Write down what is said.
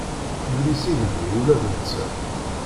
Yuli s igenni ula d netta.